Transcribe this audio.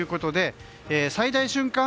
最大瞬間